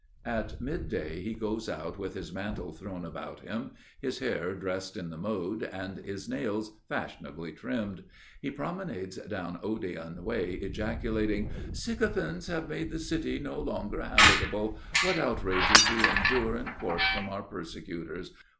At midday he goes out with his mantle thrown about him, his hair dressed in the mode and his nails fashionably trimmed; he promenades down Odeon Way ejaculating: "Sycophants have made the city no longer habitable. What outrages we endure in court from our persecutors!